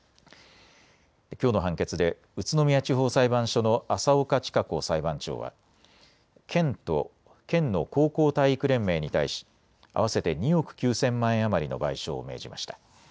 きょうの判決で宇都宮地方裁判所の浅岡千香子裁判長は県と県の高校体育連盟に対し合わせて２億９０００万円余りの賠償を命じました。